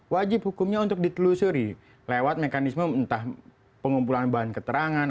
wajib hukumnya untuk ditelusuri lewat mekanisme entah pengumpulan bahan keterangan